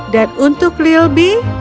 dan untuk lilby